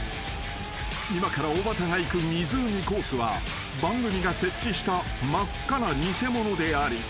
［今からおばたが行く湖コースは番組が設置した真っ赤な偽物であり］